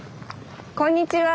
あこんにちは。